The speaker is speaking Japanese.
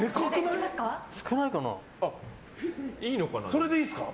それでいいですか？